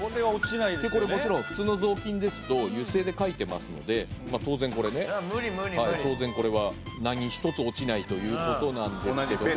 でこれもちろん普通の雑巾ですと油性で書いてますので当然これね当然これは何一つ落ちないという事なんですけども。